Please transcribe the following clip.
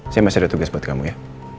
saya masih ada tugas buat kamu ya